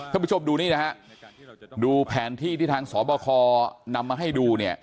ถ้าผู้ชมดูนี่นะครับดูแผนที่ที่ทางสบคนำมาให้ดู